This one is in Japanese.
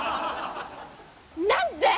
何で！？